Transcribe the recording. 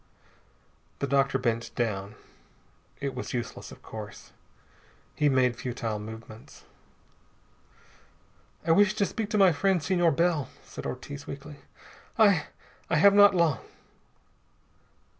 The doctor bent down. It was useless, of course. He made futile movements. "I wish to speak to my friend, Senor Bell," said Ortiz weakly. "I I have not long."